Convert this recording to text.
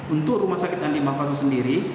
untuk rumah sakit dan imbangkang sendiri